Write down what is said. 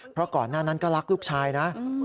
เพราะก่อนหน้านั้นก็รักลูกชายนะ